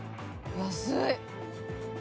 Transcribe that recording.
安い！